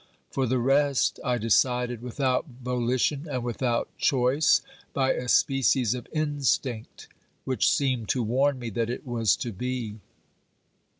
For the rest, I decided without volition and without choice, by a species of instinct which seemed to warn me that it was to be.